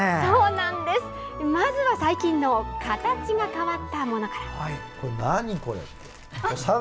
まずは、最近の形が変わったものから。